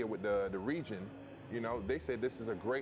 ini bukan tentang uang bukan tentang apa apa lain